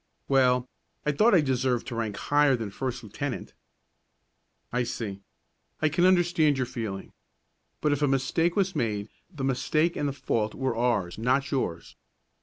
"Well, I thought I deserved to rank higher than first lieutenant." "I see. I can understand your feeling. But if a mistake was made, the mistake and the fault were ours, not yours.